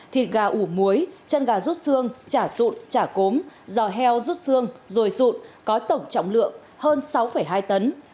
thịt gà ủ muối chân gà rút xương chả sụn chả cốm giò heo rút xương rồi sụn có tổng trọng lượng hơn sáu hai tấn